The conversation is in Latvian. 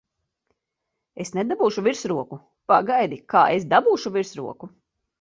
Es nedabūšu virsroku! Pagaidi, kā es dabūšu virsroku!